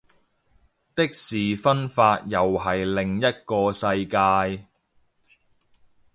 的士分法又係另一個世界